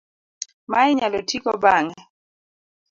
ma inyalo tigo bang'e